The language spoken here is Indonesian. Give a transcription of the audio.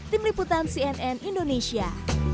tim liputan cnn indonesia